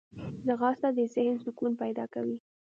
ځغاسته د ذهن سکون پیدا کوي